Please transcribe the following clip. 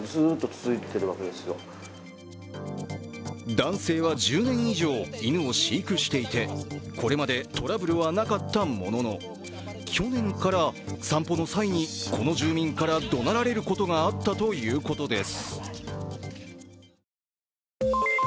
男性は１０年以上犬を飼育していてこれまでトラブルはなかったものの去年から散歩の際にこの住民からどなられることがあったということです。